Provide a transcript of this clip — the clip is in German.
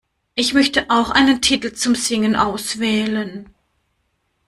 Ich möchte auch einen Titel zum Singen auswählen.